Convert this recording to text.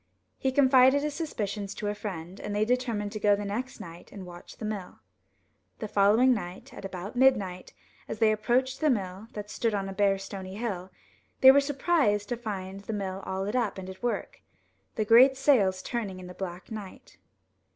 He confided his suspicions to a friend, and they determined to go the next night and watch the mill. The following night, at about midnight, as they ap proached the mill, that stood on a bare stony hill, they were surprised to find the mill all lit up and at work, the great sails turning in the black night.